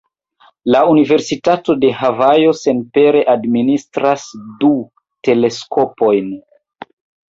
La Universitato de Havajo senpere administras du teleskopojn.